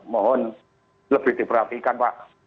mohon lebih diperhatikan pak